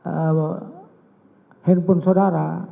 eh handphone saudara